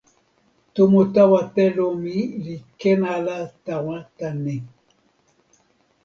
tomo tawa telo mi li ken ala tawa tan ni: